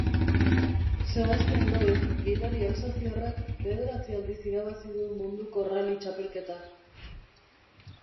Sebastien Loeb gidari alsaziarrak bederatzi aldiz irabazi du Munduko Rally Txapelketa.